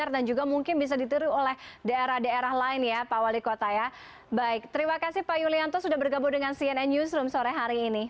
dan juga kemudian kita bisa beraktivitas dengan standar yang sudah kita lakukan dengan jarak tertentu juga